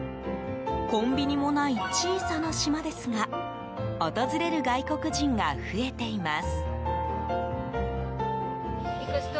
コンビニもない小さな島ですが訪れる外国人が増えています。